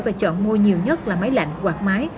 và chọn mua nhiều nhất là máy lạnh quạt máy